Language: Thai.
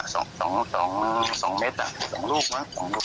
สองรูปน่ะ